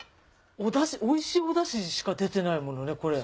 おいしいおダシしか出てないものねこれ。